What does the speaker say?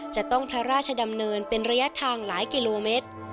จะต้องพระราชดำเนินเป็นระยะทางหลายกิโลเมตร